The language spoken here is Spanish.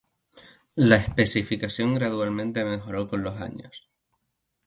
La especificación gradualmente mejoró con los años.